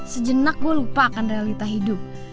sejenak gue lupa akan realita hidup